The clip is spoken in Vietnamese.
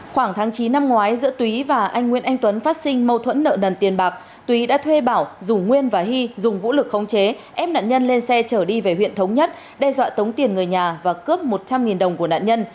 khoảng tháng chín năm ngoái giữa túy và anh nguyễn anh tuấn phát sinh mâu thuẫn nợ nần tiền bạc túy đã thuê bảo rủ nguyên và hy dùng vũ lực khống chế ép nạn nhân lên xe chở đi về huyện thống nhất đe dọa tống tiền người nhà và cướp một trăm linh đồng của nạn nhân